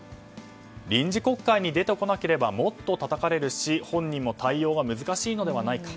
臨時国会に出てこなければもっとたたかれるし本人も対応が難しいのではないか。